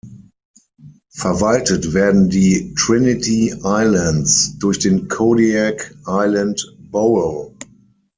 Verwaltet werden die Trinity Islands durch den Kodiak Island Borough.